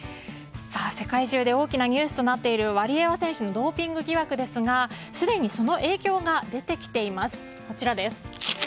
世界中で大きなニュースとなっているワリエワ選手のドーピング疑惑ですがすでにその影響が出てきています。